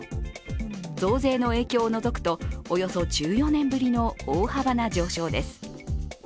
増税の影響を除くとおよそ１４年ぶりの大幅な上昇です。